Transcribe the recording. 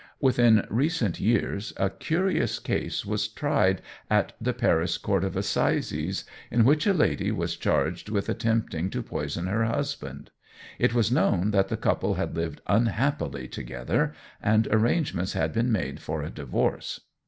Within recent years a curious case was tried at the Paris Court of Assizes, in which a lady was charged with attempting to poison her husband. It was known that the couple had lived unhappily together, and arrangements had been made for a divorce.